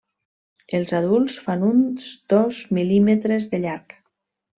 Els adults fan uns dos mil·límetres de llarg.